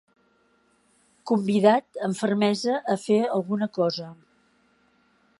Convidat amb fermesa a fer alguna cosa.